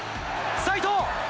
齋藤。